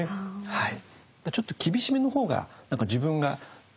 はい。